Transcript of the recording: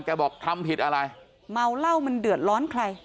บอกทำผิดอะไรเมาเหล้ามันเดือดร้อนใคร